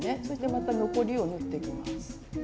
そしてまた残りを縫っていきます。